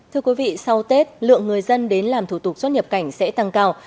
thưa quý vị sau tết lượng người dân đến làm thủ tục xuất nhập cảnh sẽ tăng cao